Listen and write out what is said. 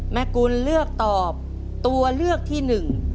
กุลเลือกตอบตัวเลือกที่หนึ่ง